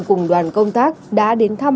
cùng đoàn công tác đã đến thăm